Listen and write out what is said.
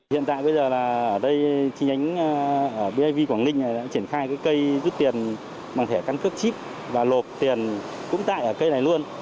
hiện tại bây giờ là ở đây chính ánh ở b a v quảng ninh đã triển khai cái cây rút tiền bằng thẻ căn cước chip và nộp tiền cũng tại ở cây này luôn